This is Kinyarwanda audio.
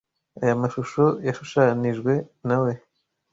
Aya mashusho yashushanijwe na we.